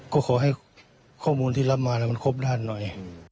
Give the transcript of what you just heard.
ก็ขอให้ข้อมูลที่รับมามันครบด้านหน่อย